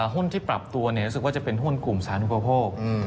หุ้นที่ปรับตัวรู้สึกว่าจะเป็นหุ้นกลุ่มสาธุปโภค